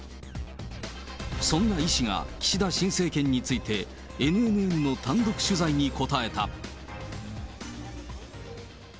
そんなイ氏が岸田新政権について、ＮＮＮの単独取材に答えた。